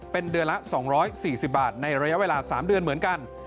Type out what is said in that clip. เป็นเดือนละ๒๔๐บาทในระยะเวลา๓เดือนเหมือนกัน